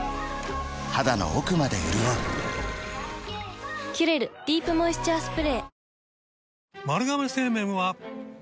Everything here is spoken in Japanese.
肌の奥まで潤う「キュレルディープモイスチャースプレー」